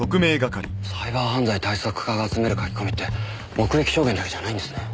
サイバー犯罪対策課が集める書き込みって目撃証言だけじゃないんですね。